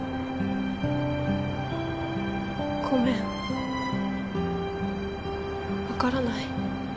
ごめん分からない